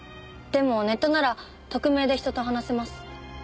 でもネットなら匿名で人と話せます。